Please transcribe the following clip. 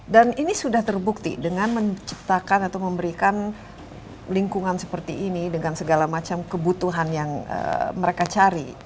dan ini sudah terbukti dengan menciptakan atau memberikan lingkungan seperti ini dengan segala macam kebutuhan yang mereka cari